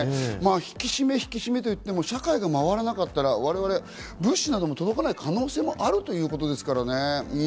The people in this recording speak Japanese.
引き締め引き締めといっても、社会が回らなかったら我々、物資なども届かない可能性があるということですからね。